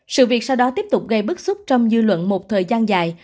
sự việc sau đó tiếp tục gây bức xúc trong dư luận một thời gian dài